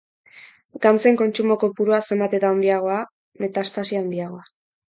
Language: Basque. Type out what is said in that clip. Gantzen kontsumo kopurua zenbat eta handiagoa, metastasi handiagoa.